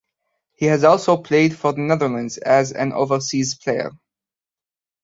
He has also played for the Netherlands as an overseas player.